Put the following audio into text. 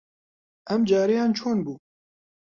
ئەمجارەیان چۆن بوو؟